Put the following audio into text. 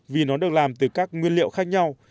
vì nó được làm từ các nguyên liệu khác nhau